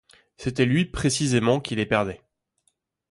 C’était lui précisément qui les perdait.